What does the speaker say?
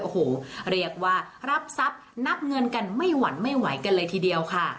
โอ้โหเรียกว่ารับทรัพย์นับเงินกันไม่หวั่นไม่ไหวกันเลยทีเดียวค่ะ